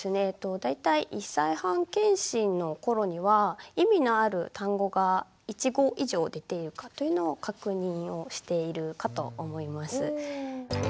大体１歳半健診の頃には意味のある単語が１語以上出ているかというのを確認をしているかと思います。